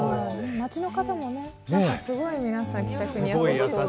街の方もね、なんかすごい皆さん、気さくに優しい。